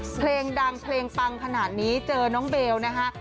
เพลงดังเพลงปังขนาดนี้เจอน้องเบลนะฮะ